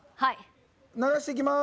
流していきます。